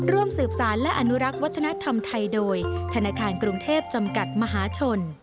ร่วมสืบสารและอนุรักษ์วัฒนธรรมไทยโดยธนาคารกรุงเทพจำกัดมหาชน